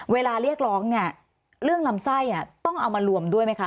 เรียกร้องเนี่ยเรื่องลำไส้ต้องเอามารวมด้วยไหมคะ